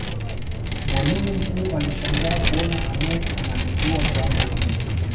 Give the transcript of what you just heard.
mwalimu mkuu alishangaa kuona aneth analijua jambo hili